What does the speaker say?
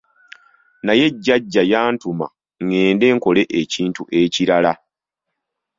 Naye jjajja yantuma ngende nkole ekintu ekirala.